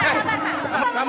kamu bikin kemahiran